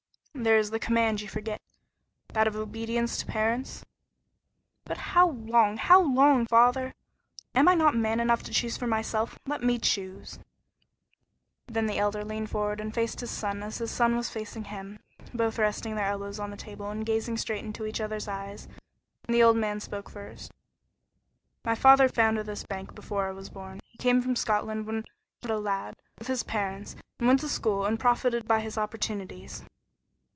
"There is the command you forget; that of obedience to parents." "But how long how long, father? Am I not man enough to choose for myself? Let me choose." Then the Elder leaned forward and faced his son as his son was facing him, both resting their elbows on the table and gazing straight into each other's eyes; and the old man spoke first. "My father founded this bank before I was born. He came from Scotland when he was but a lad, with his parents, and went to school and profited by his opportunities.